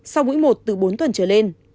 sau mũi một từ bốn tuần trở lên